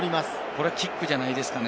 これキックじゃないですかね？